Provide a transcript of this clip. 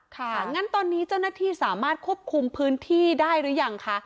งั้นตอนนี้เจ้าหน้าที่สามารถควบคุมพื้นที่ได้หรือยังคะ